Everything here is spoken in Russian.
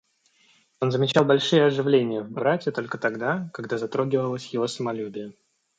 Он замечал большие оживление в брате только тогда, когда затрогивалось его самолюбие.